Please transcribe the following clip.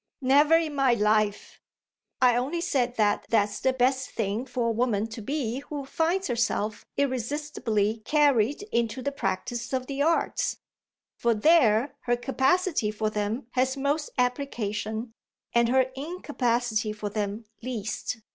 "Never in my life. I only say that that's the best thing for a woman to be who finds herself irresistibly carried into the practice of the arts; for there her capacity for them has most application and her incapacity for them least.